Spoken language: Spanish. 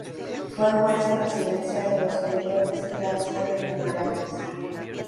Fue juez de residencia de los oidores Larrea e Ibáñez.